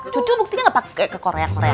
cucu buktinya gak pake ke korea korea